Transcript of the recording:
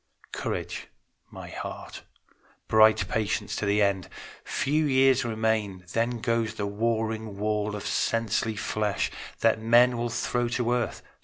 Courage, my heart: bright patience to the end! Few years remain; then goes the warring wall Of sensely flesh, that men will throw to earth.